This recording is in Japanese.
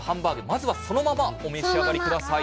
まずはそのままお召し上がり下さい。